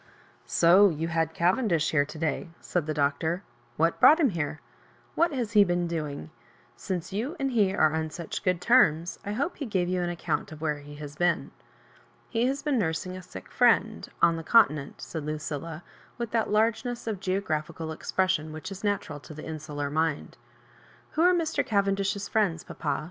*' So you had Cavendish here to day 7 " said the Doctor. ''What brought him here ? What has he been doing 7 Since you and he are on such good terms, I hope he gave you an account of where he has been." " He has been nureing a sick friend on — the Continent," said Lucilla, with that largeness of geographical expression which is natural to the insular mind. " Who are Mr. Cavendish's friends, papa